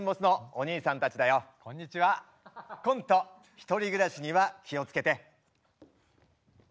「１人暮らしには気を付けて」。